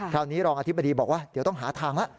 คราวนี้รองอธิบดีบอกว่าเดี๋ยวต้องหาทาง